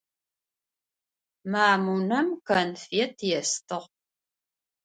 Мамунэм конфет естыгъ.